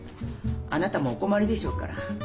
あなたもお困りでしょうから。